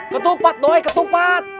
ketupat doi ketupat